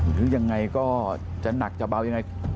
หรือยังไงก็จะหนักจะเบายังไง